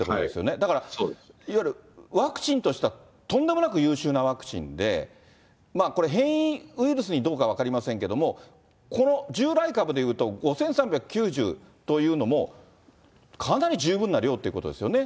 だからいわゆるワクチンとしたらとんでもなく優秀なワクチンで、これ、変異ウイルスにどうか分かりませんけれども、この従来株でいうと、５３９０というのも、かなり十分な量っていうことですよね？